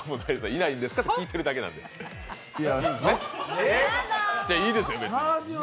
いないんですか？と聞いてるだけです。